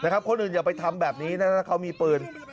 คนอื่นอย่าไปทำแบบนี้ถ้าเขามีปืน